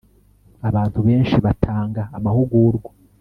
abantu benshi batanga amahugurwa